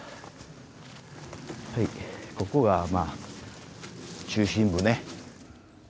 ここがまあ中心部ね。